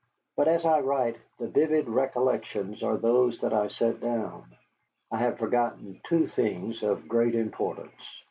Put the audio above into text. But as I write, the vivid recollections are those that I set down. I have forgotten two things of great importance.